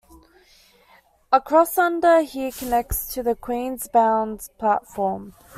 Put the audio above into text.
A crossunder here connects to the Queens-bound platform.